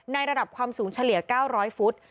ระดับความสูงเฉลี่ย๙๐๐ฟุต